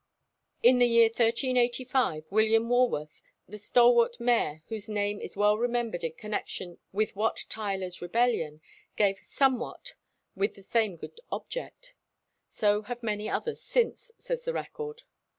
In the year 1385 William Walworth, the stalwart mayor whose name is well remembered in connection with Wat Tyler's rebellion, gave "somewhat" with the same good object. "So have many others since," says the record.